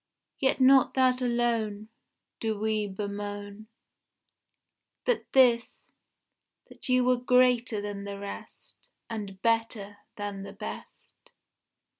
Yet not that alone Do we bemoan; But this; that you were greater than the rest, And better than the best.